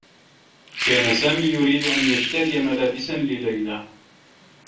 كان سامي يريد أن يشتري ملابسا لليلى.